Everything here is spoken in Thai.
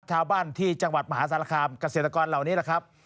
ชาวบ้านที่จังหวัดมหาศาลธรรมกระเศรษฐกรเหล่านี้เหรอครับ